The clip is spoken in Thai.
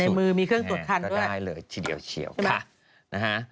ในมือมีเครื่องตรวจคันด้วยใช่ไหมใช่ไหมนะฮะ